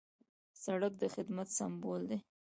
سړک د خدمت سمبول دی.